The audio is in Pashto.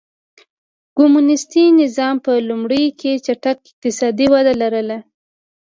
کمونېستي نظام په لومړیو کې چټکه اقتصادي وده لرله.